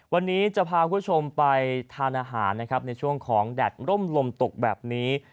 วันนี้จะพาคุณผู้ชมไปทานอาหารนะครับในช่วงของแดดร่มลมตกแบบนี้